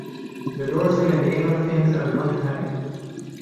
The dorsal and anal fins are not high.